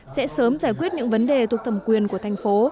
sẽ sớm giải quyết những vấn đề thuộc thẩm quyền của thành phố